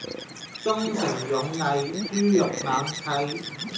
忠誠勇毅豬肉猛砌